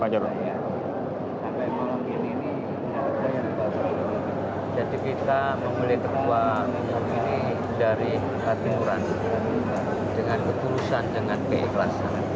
jadi kita membeli uang ini dari tati murad dengan ketulusan dengan keikhlasan